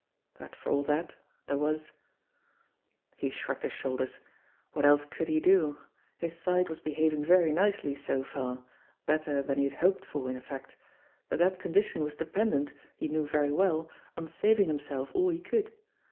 But for all that, there was He shrugged his shoulders. What else could he do ? His side was behaving very nicely so far, better than he had hoped for, in fact, but that condition was dependent, he knew very well, on saving himself all he could.